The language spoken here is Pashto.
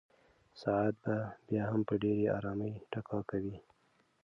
ساعت به بیا هم په ډېرې ارامۍ ټکا کوي.